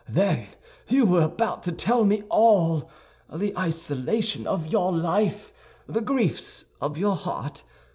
Then you were about to tell me all—the isolation of your life, the griefs of your heart.